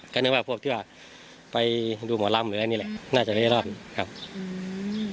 กระนึกผมว่าพวกที่ว่าไปดูหมอร่ำหรืออะไรนี่แหละอืมน่าจะเร่ร่อนมากครับอืม